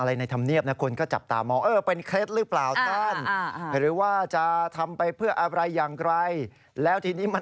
และแตกสภาพแบบนี้ค่ะ